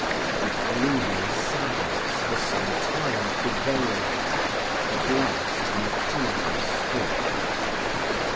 A gloomy silence for some time prevailed at last Matilda spoke.